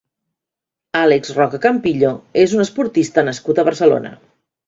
Àlex Roca Campillo és un esportista nascut a Barcelona.